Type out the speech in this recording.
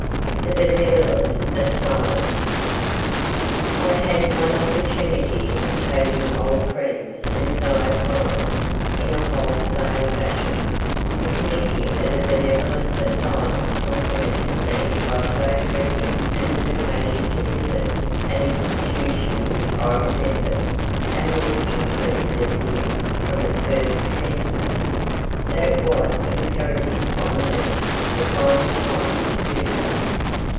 THE BENEVOLENT ASYLUM. I had one opportunity of taking "old friends and fellow colonists" in a wholesale fashion. The committee of the Benevolent Asylum complimented me by so pressing an invitation to visit an institution which I remembered and was interested in from its first commencement, that it was imperative on me to find the time to do so.